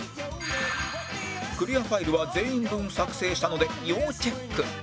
クリアファイルは全員分作成したので要チェック！